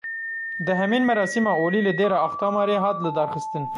Dehemîn merasîma olî li Dêra Axtamarê hat lidarxistin.